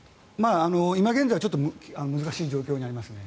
今現在は難しい状況にありますね。